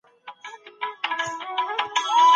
څېړنه په سم ډول ترسره سوه.